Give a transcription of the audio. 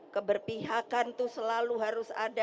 keberpihakan itu selalu harus ada